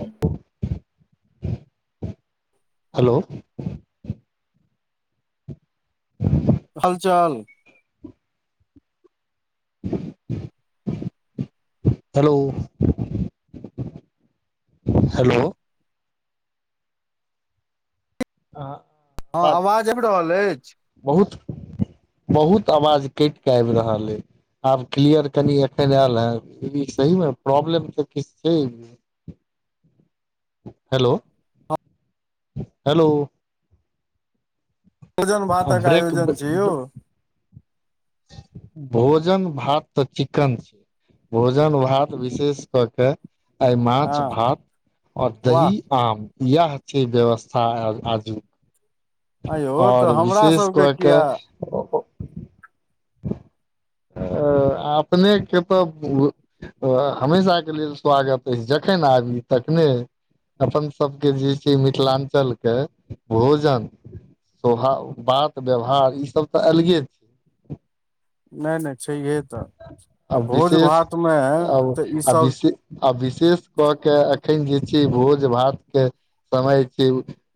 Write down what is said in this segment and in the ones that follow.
ह्म [unintelligible] हलो हाल चाल [unintelligible] हलो हेलो आ हँ आवाज आवाज बहुत आबि कट रहल अछि के बहुत बहुत आवाज कटि कऽ आबि रहल अइ आब क्लियर कनि एखन आयल हे ई सहीमे प्रॉब्लम तऽ किछु छै हेलो हेलो भोजन भातक ब्रेक आयोजन छै यौ भोजन भात तऽ चिकन छै भोजन भात विशेष कऽ के आ माछ हँ भात ओर वाह दही आम इएह छै व्यवस्था आजुक आंयौ आओर तऽ हमरा विशेष सबके कऽ किया कऽ आ अपने के तऽ हमेशा के लेल स्वागत अछि जखन आबी तखने अपन सबके जे छै मिथिलाञ्चल के भोजन स बात व्यवहार ईसभ तऽ अलगे छै नहि नहि छैहे तऽ आ भोज विशेष भात मे आ तऽ ई आ सब विशे आ विशेष कके एखन जे छै भोज भात के समय छै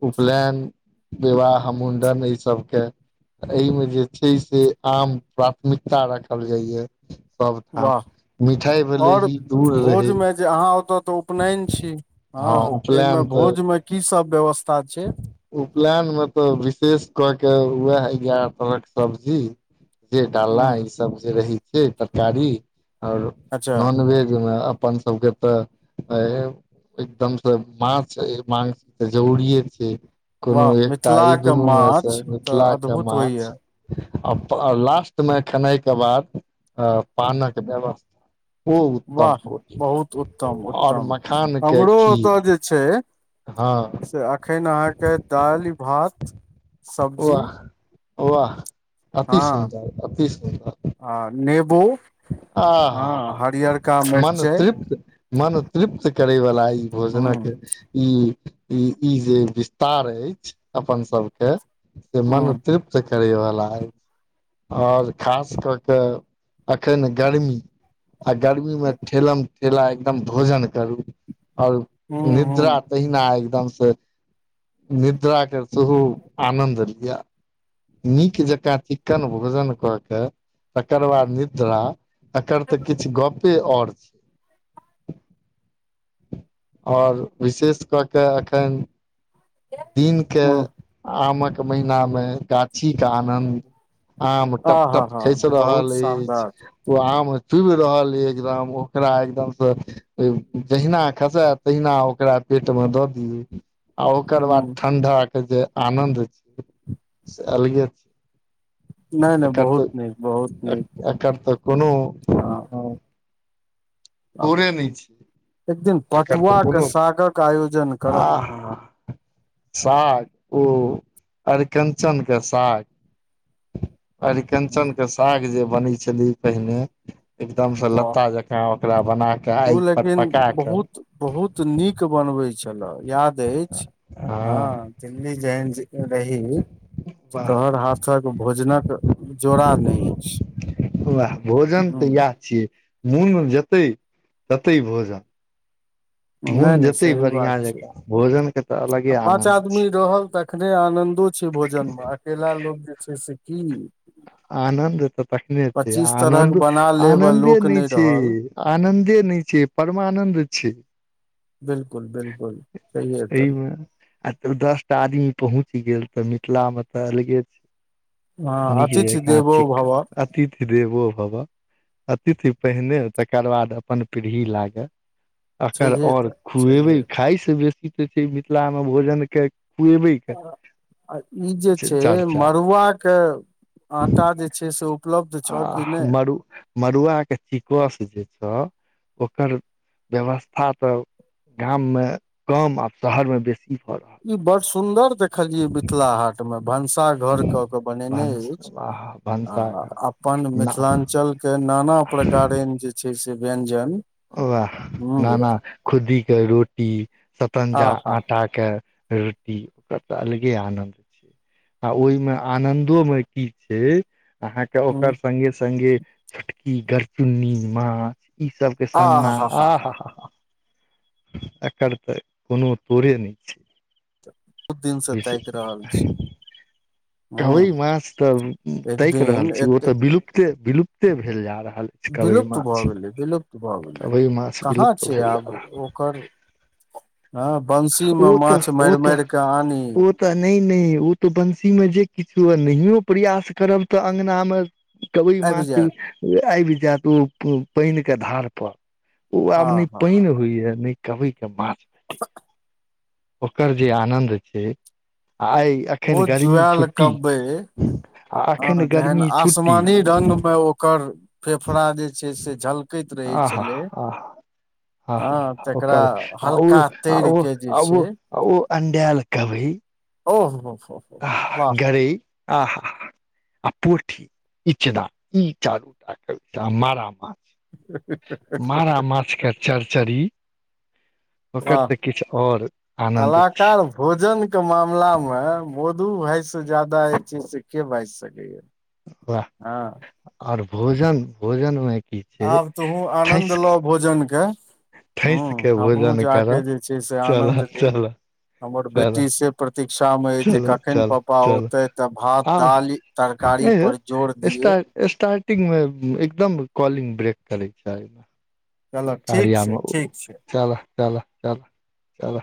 उपनयन विवाह मुण्डन एहि सभके एहिमे जे छै से आम प्राथमिक ता राखल जाइय सबठाम वाह आओर भोजमे जे अहाँ ओतऽ तऽ उपनन छी हँ ताहिमे उपनयन तऽ भोजमे की सब व्यवस्था छै उपनयान मे तऽ विशेष क के उएह है एगारह तरह के सब्जी जे हूँ डाला ईसभ जे रहैत छै तरकारी आओर अच्छा नॉनवेजमे अप अपन सबके तऽ एकदम से माछ मास त जरुररीे कोनो वाह एकटा ई मिथिलाके दुनूमेसँ माछ तऽ मिथिलाके अद्भुत माछ होइया आ लास्टमे खेनाइके बाद पानक व्यवस्था ओ उत्तम वाह कोटिके बहुत उत्तम आओर उत्तम मखानके हमरो ओतय खीर जे छै हँ से एखन अहाँके दालि भात सब्जी वाह वाह अति हँ सुन्दर अति सुन्दर आ नेबो आह आहा हँ ह हरियरका मन मिरचाइ तृप्त मन तृप्त करैवला ई भोजनक हूं के ई ई ई जे विस्तार अछि अपन सब के से मन हूं तृप्त करैवला ह आओर खास क के अखन गर्मी आ गर्मी मे ठेलम ठेला एकदम भोजन करू आओर हूं निद्रा हूं तहिना एकदम से निद्रा कर सेहो आनन्द लियअ नीक जकाँ चिक्कन भोजन क क तकर बाद न निद्रा एकर तऽ किछु गपे आओर छै आओर विशेष कऽ कऽ एखन दिनके हूं आमक महिनामे गाछीके आनन्द आम आ हा टपटप हा खैस बहुत रहल अछि शानदार ओ आम तुबि रहल एकदम ओकरा एकदमसँ जहिना खसे तहिना ओकरा पेटमे द दियो ओकर हूं बाद ठंडा के जे आनन्द छै से अलगे नहि छै नहि एकर बहुत नीक बहुत तऽ नीक एकर तऽ कोनो हँ दोड़े नहि छै एक दिन एकर त पटुआ के कोनो सागक आयोजन आ करब हँ हाँ साग ओ अरिकंचन क साग अरिकंचन क साग जे बनै छलै पहिने एकदम से वाह लत्ता जका ओकरा बना क ओ आइग पर लेकिन पका क [unintelligible] हँ कि वाह तोहर हाथक भोजनक जोड़ा नहि अछि वाह भोजन त हुं याह नुन जतै तते भोजन नुन नहि नहि जेतै सही बात बढ़िआं छै जकाँ भोजन क आ पाँच आदमी रहल त तखने आनन्दो छै भोजनमे अकेला लोक जे छै ओहिस की आनन्द तऽ तखने छै पच्चीस तरहक आनन्दो बना लेब आ आनन्दे लोक नहि छै रहल आनन्दे नइ छै परमानन्द छै बिल्कुल बिल्कुल छैहे तऽ एहिमे आ तब दस टा आदमी पहुँच गेल तऽ मिथिला मे तऽ अलगे छै हँ नीक अतिथि जकाँ देवो चिक्क भव अतिथि देवो भबह पहिने तकर बाद अपन पीढ़ी लागे एकर छैहे आऔर तऽ खुएबै छैहे खाय से बेसी तऽ छै मिथिलामे भोजनक खुएबैक आ ई जे छै मड़ुआक आटा जे छै से उ आ मड़ु मड़ुआके चिकस जे छौ ओकर व्यवस्था तऽ गाममे कम आ शहरमे बेसी भऽ रहल ई अछि बड़ सुन्दर देखलियै मिथिला हाट मे भनसा घरक क बनेने भनस अछि आ भनसाघर अपन ना मिथिलांचलके नाना प्रकारेन जे छै से व्यज्जन वह नाना खुद्दीके रोटी सतणजा आहा आटाक रोटी ओकर तऽ अलगे आनन्द छै आ ओहिमे आनन्दोमे की छै अहाँके हूँ ओकर संगगे संगगे छोटकी गरचुन्नी माछ ई सब सना आ हा हॉ हा एकर तऽ कोनो तोरे नहि छै बहुत दिनसँ ताकि रहल छी कबई हूँ माछ तऽ एक ताकि रहल दिन छी ओ एते तऽ विलुप्ते विलुप्ते भेल जा रहल कबइ विलुप्त माछ भऽ गेलै विलुप्त भऽ गेलै कबइ माछ कहाँ विलुप्त छै भेल जा आब रहल आ [unintelligible] बंसी म माछ मैर मैर क आ ओ त नहि नहि ओ त बंसी मे जे किछु हुए नहियै प्रयास करब तऽ अंगना मे कबई आबि माछ जायत आईब जाएत उ पाईन के धार पर ओ आ आब ने हा हा पाईन होइ या न कबीई के माछ ओकर जे आनन्द छैइ ओ जुआल कबैइ आ एखन हां जेहन गर्मी छुट्टी आसमानी रंग में ओकर फेफड़ा जे छैइ से झलकैत रहै आहा छलै आह आह हा हँ ह तकरा ओकर आ ओ हल्का आ तैर ओ के जे आ ओ छै आ ओ अंडाएल कवैइ ओहो हो हो हो आह वाह गरैइ आह ह हा आ पोठी इचना ई चारू टा कवेका आ मारा माछ मारा माछके चरचरी ओकर वाह तऽ किछु और आनन्द छै कलाकार भोजन के मामला में ब दू भाय से ज्यादा अई चीज से के बाजि सकैया वाह हँ और भोजन भोजन में आब तोहूँ आनन्द लऽ भोजन के ह ठैस के हमहुँ भोजन जाक करऽ जे छैइ से आनन्द चलऽ ली चलऽ हमर चलऽ बेटी से प्रति प्रतीक्षा में य जे चलऽ कखन चलऽ पापा चलऽ औतैथ तऽ भात आब दालि तरकारी पर जोर एह दिये स्टार्टिंग में एकदम कॉलिंग ब्रेक करै छैइ कि मैं चलऽ ठीक गाड़ियां छै में ठीक छै चल चल चल चल